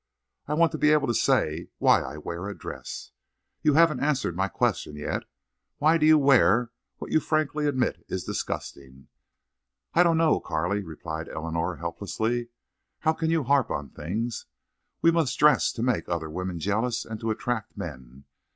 I want to be able to say why I wear a dress. You haven't answered my question yet. Why do you wear what you frankly admit is disgusting?" "I don't know, Carley," replied Eleanor, helplessly. "How you harp on things! We must dress to make other women jealous and to attract men.